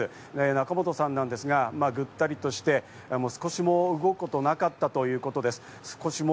仲本さんなんですが、ぐったりとして、少しも動くことがなかったということです。